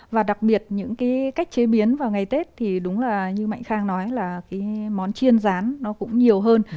và đặc biệt những cái cách chế biến vào ngày tết thì đúng là như mạnh khang nói là cái món chiên rán nó cũng nhiều hơn